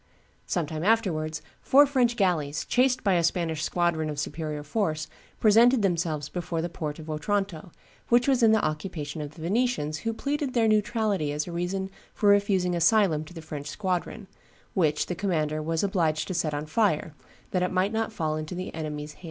Some time afterwards, four French galleys, chased by a Spanish squadron of superior force, presented themselves before the port of Otranto, which was in the occupation of the Venetians, who pleaded their neutrality as a reason for refusing asylum to the French squadron, which the commander was obliged to set on fire that it might not fall into he enemy's hands."